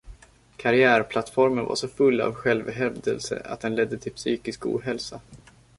Karriärplattformen var så full av självhävdelse att den ledde till psykisk ohälsa